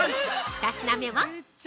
２品目は？